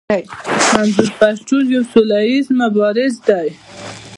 منظور پښتين يو سوله ايز مبارز دی.